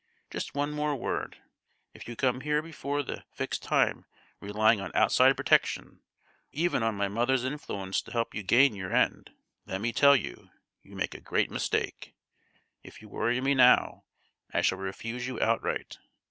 Just one more word: if you come here before the fixed time relying on outside protection, or even on my mother's influence to help you gain your end, let me tell you, you make a great mistake; if you worry me now, I shall refuse you outright.